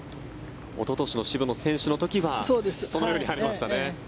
おととしの渋野選手の時はそのようになりましたね。